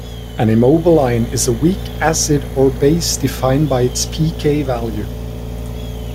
An Immobiline is a weak acid or base defined by its pK value.